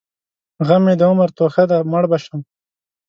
غم مې د عمر توښه ده؛ مړ به شم.